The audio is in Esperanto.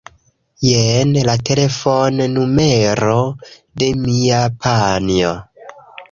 Jen la telefonnumero de mia panjo.